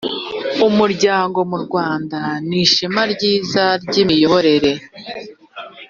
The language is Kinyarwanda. umuryango mu rwanda nishema ryiza ryimiyoborere